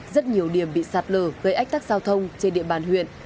rất nhiều điểm bị sạt lở gây ách tắc giao thông trên địa bàn huyện